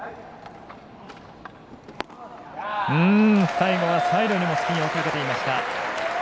最後はサイドにもスピンをかけていました。